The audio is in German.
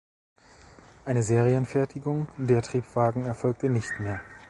Eine Serienfertigung der Triebwagen erfolgte nicht mehr.